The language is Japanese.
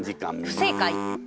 不正解。